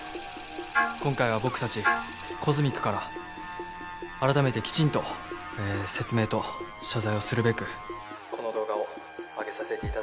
今回は僕たちＣＯＳＭＩＣから改めてきちんとえ説明と謝罪をするべく「この動画をあげさせて頂きました」